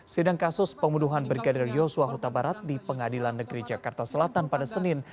sidang kasus pembunuhan brigadir yosua huta barat di pengadilan negeri jakarta selatan pada senin